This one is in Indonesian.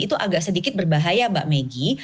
itu agak sedikit berbahaya mbak megi